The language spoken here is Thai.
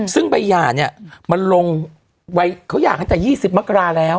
ซึ่งใบหย่าเนี่ยมันลงวัยเขาหย่าตั้งแต่๒๐มกราแล้ว